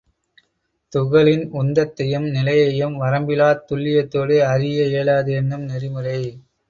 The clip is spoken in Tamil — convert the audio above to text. துகளின் உந்தத்தையும் நிலையையும் வரம்பிலாத் துல்லியத்தோடு அறிய இயலாது என்னும் நெறிமுறை.